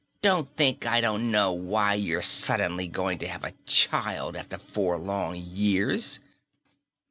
"Don't think I don't know why you're suddenly going to have a child after four long years."